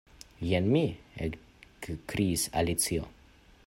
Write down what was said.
"Jen mi" ekkriis Alicio.